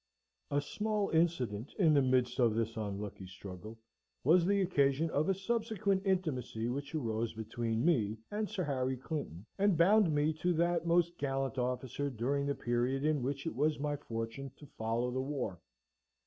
A small incident in the midst of this unlucky struggle was the occasion of a subsequent intimacy which arose between me and Sir Harry Clinton, and bound me to that most gallant officer during the Period in which it was my fortune to follow the war.